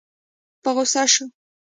په غوسه شو.